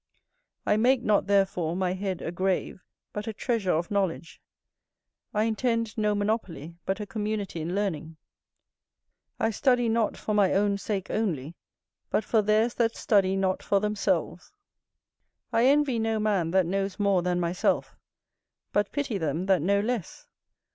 I make not therefore my head a grave, but a treasure of knowledge. I intend no monopoly, but a community in learning. I study not for my own sake only, but for theirs that study not for themselves. I envy no man that knows more than myself, but pity them that know less.